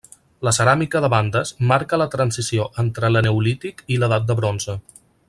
La ceràmica de bandes marca la transició entre l'eneolític i l'edat del bronze.